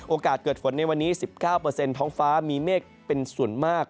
โอกาสเกิดฝนในวันนี้๑๙ท้องฟ้ามีเมฆเป็นส่วนมาก